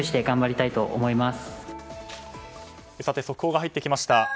速報が入ってきました。